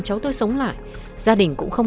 cháu tôi sống lại gia đình cũng không